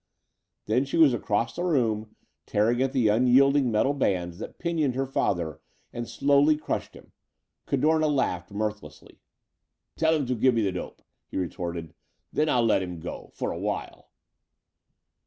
Then she was across the room, tearing at the unyielding metal bands that pinioned her father and slowly crushed him. Cadorna laughed mirthlessly. "Tell him to give me the dope," he retorted. "Then I'll let him go for a while."